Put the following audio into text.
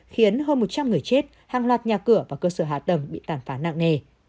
khiến hơn một trăm linh người chết hàng loạt nhà cửa và cơ sở hạ tầng bị tàn phá nặng nề